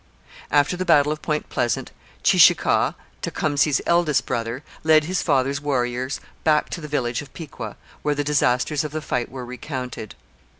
After the battle of Point Pleasant, Cheeseekau, Tecumseh's eldest brother, led his father's warriors back to the village of Piqua, where the disasters of the fight were recounted.